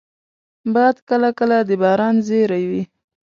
باد کله کله د باران زېری وي